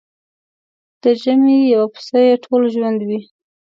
د ژمي يو پسه يې ټول ژوند وي.